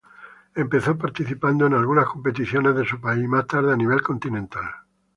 Empezó participando en algunas competiciones de su país, y más tarde a nivel continental.